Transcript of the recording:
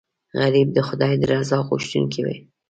غریب د خدای د رضا غوښتونکی وي